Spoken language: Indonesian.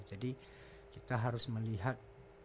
jadi kita harus melihat